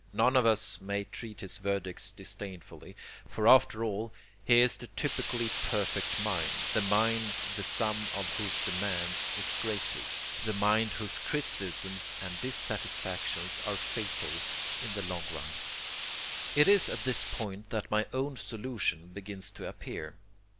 None of us may treat his verdicts disdainfully, for after all, his is the typically perfect mind, the mind the sum of whose demands is greatest, the mind whose criticisms and dissatisfactions are fatal in the long run. It is at this point that my own solution begins to appear.